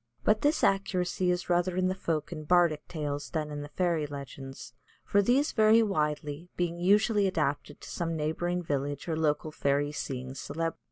But this accuracy is rather in the folk and bardic tales than in the fairy legends, for these vary widely, being usually adapted to some neighbouring village or local fairy seeing celebrity.